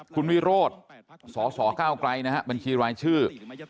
คุณวีโรฑสส๙ไกลบัญชีวีชื่อ